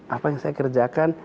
apa yang saya kerjakan